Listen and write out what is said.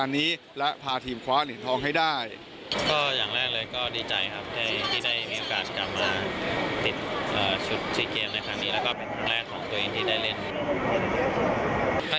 นี่เป็น๔เกมครั้งแรกของเขา